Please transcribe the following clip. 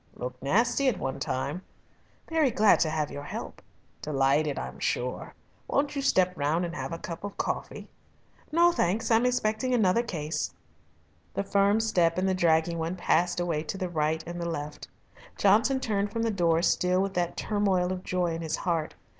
"Looked nasty at one time." "Very glad to have your help." "Delighted, I'm sure. Won't you step round and have a cup of coffee?" "No, thanks. I'm expecting another case." The firm step and the dragging one passed away to the right and the left. Johnson turned from the door still with that turmoil of joy in his heart.